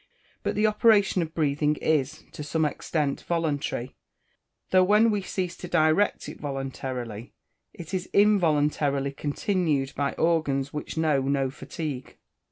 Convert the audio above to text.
But the operation of breathing is, to some extent, voluntary, though when we cease to direct it voluntarily, it is involuntarily continued by organs which know no fatigue.